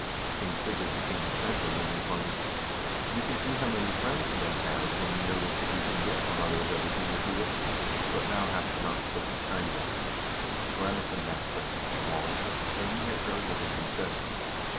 King Sigurd became offended and replied :' We can see how many friends the man has, when we notice that he can get from others everything which he wishes; but thou hast not spoken kindly.' Ranesson now stepped into the hall, and he had heard what had been said.